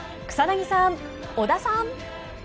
草薙さん、織田さん。